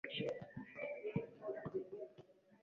shangirai anasema utakuwa huru na wa haki